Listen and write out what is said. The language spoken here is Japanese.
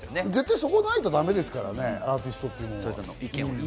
そこがないとダメですからね、アーティストは。